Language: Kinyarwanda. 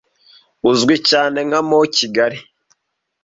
uzwi cyane nka mont Kigali